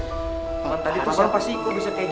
siapa sih bapak siku bisa kayak gitu